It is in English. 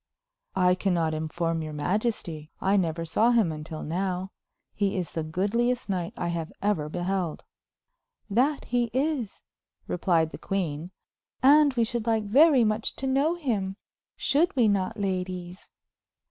"I can not inform your majesty. I never saw him until now. He is the goodliest knight I have ever beheld." "That he is," replied the queen; "and we should like very much to know him. Should we not, ladies?"